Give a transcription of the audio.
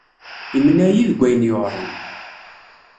Imneɛ-iyi deg ayen yuɛren.